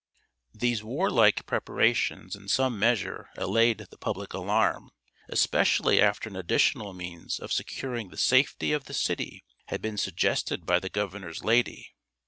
These warlike preparations in some measure allayed the public alarm, especially after an additional means of securing the safety of the city had been suggested by the governor's lady.